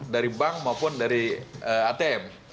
dari bank maupun dari atm